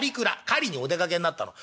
狩りにお出かけになったの。